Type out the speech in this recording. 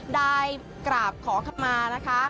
ได้กราบขอขมานะคะ